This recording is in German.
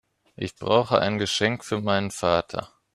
Ich brauche ein Geschenk für meinen Vater.